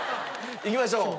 いきましょう。